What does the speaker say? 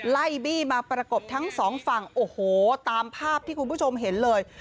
ไล่บี้มาประกบทั้งสองฝั่งโอ้โหตามภาพที่คุณผู้ชมเห็นเลย